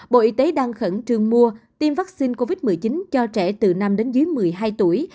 bộ y tế đang khẩn trương mua tiêm vaccine covid một mươi chín cho trẻ từ năm đến dưới một mươi hai tuổi